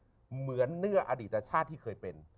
ไม่ได้เหมือนเดิมเหมือนเนื้ออดีตชาติที่เคยเป็น